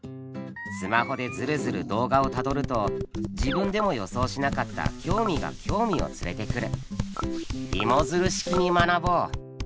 スマホでヅルヅル動画をたどると自分でも予想しなかった興味が興味を連れてくる。